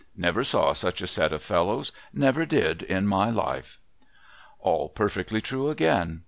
Never saw such a set of fellows, — never did in my life !' All perfectly true again.